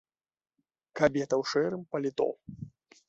Кабета ў шэрым паліто.